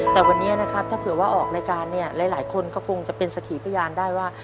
แต่วันนี้นะครับถ้าเผื่อว่าออกรายการเนี่ยหลายคนก็คงจะเป็นสถีพยานได้ว่า